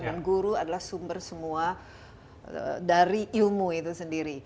dan guru adalah sumber semua dari ilmu itu sendiri